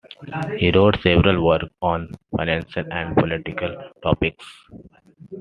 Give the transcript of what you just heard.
He wrote several works on financial and political topics.